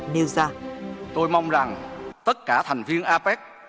đưa ra tôi mong rằng tất cả thành viên apec